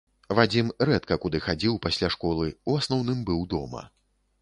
Вадзім рэдка куды хадзіў пасля школы, у асноўным быў дома.